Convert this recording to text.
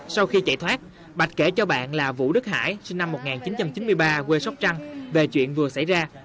sau khi chạy thoát bạch kể cho bạn là vũ đức hải sinh năm một nghìn chín trăm chín mươi ba quê sóc trăng về chuyện vừa xảy ra